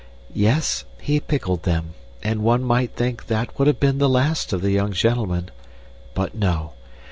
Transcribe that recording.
"Yes, he pickled them, and one might think that would have been the last of the young gentlemen. But no.